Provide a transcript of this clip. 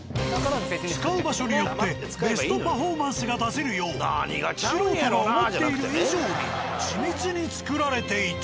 使う場所によってベストパフォーマンスが出せるよう素人が思ってる以上に緻密に作られていた。